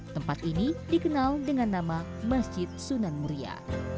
tempat ini dikenal dengan nama masjid sunan muria